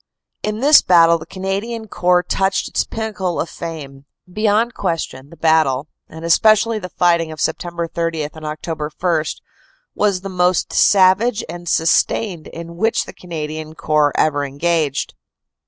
In this battle the Canadian Corps touched its pinnacle of fame. Beyond question the battle, and especially the fighting of Sept. 30 and Oct. 1, was the most savage and sustained in which the Canadian Corps ever engaged.